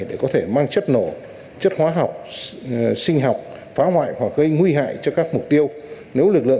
để có thể mang chất nổ